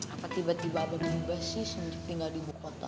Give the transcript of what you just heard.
apa tiba tiba abah mengubah sih semenjak tinggal di bukota